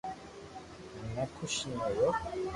ھين ۾ خوݾ بي ھويو